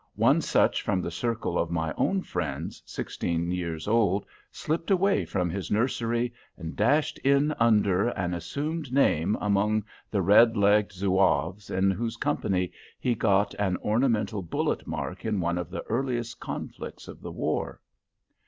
One such from the circle of my own friends, sixteen years old, slipped away from his nursery, and dashed in under, an assumed name among the red legged Zouaves, in whose company he got an ornamental bullet mark in one of the earliest conflicts of the war.